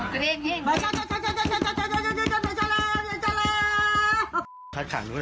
เกือบแดงเยี่ยง